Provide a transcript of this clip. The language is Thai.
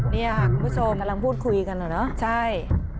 นี่ค่ะคุณผู้ชมกำลังพูดคุยกันเหรอเนอะใช่